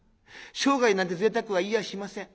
生涯なんて贅沢は言いやしません。